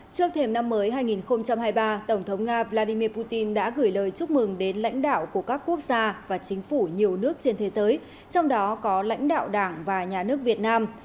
trước thêm năm mới hai nghìn hai mươi ba tổng thống nga vladimir putin đã gửi lời chúc mừng đến lãnh đạo của các quốc gia và chính phủ nhiều nước trên thế giới trong đó có lãnh đạo đảng và nhà nước việt nam